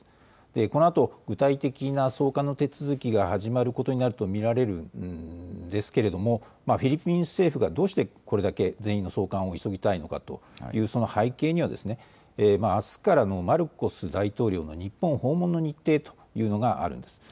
このあと具体的な送還の手続きが始まることになると見られるんですけれどもフィリピン政府がどうしてこれだけ全員の送還を急ぎたいのかという背景にはあすからのマルコス大統領の日本訪問の日程というのがあるんです。